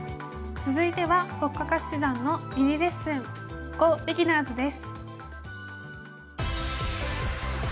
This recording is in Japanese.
続いては黒嘉嘉七段のミニレッスン「ＧＯビギナーズ」です。